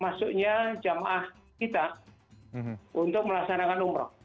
maksudnya jamaah kita untuk melaksanakan umrah